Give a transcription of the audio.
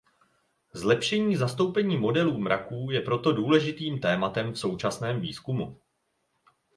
Zlepšení zastoupení modelů mraků je proto důležitým tématem v současném výzkumu.